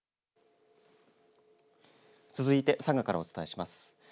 続いて佐賀からお伝えします。